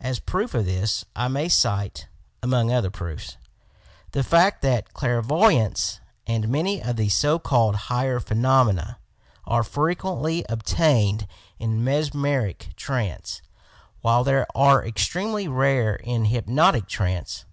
As proof of this, I may cite (among other proofs) the fact that clairvoyance and many of the so called higher phenomena are frequently obtained in mesmeric trance, while they are extremely rare in hypnotic trance.